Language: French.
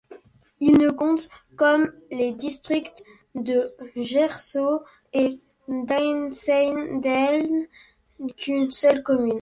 Il ne compte, comme les districts de Gersau et d'Einsiedeln, qu'une seule commune.